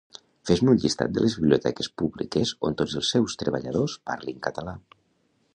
Fes-me un llistat de les biblioteques Publiques on tots els seus treballadors parlin català